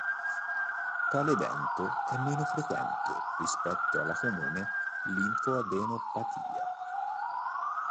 Tale evento è meno frequente rispetto alla comune linfoadenopatia.